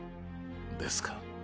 ですか。